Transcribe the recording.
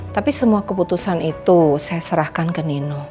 tapi semua keputusan itu saya serahkan ke nino